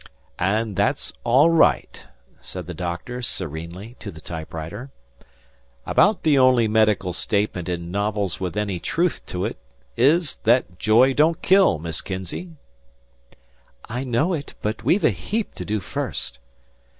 "And that's all right," said the doctor, serenely, to the typewriter. "About the only medical statement in novels with any truth to it is that joy don't kill, Miss Kinzey." "I know it; but we've a heap to do first."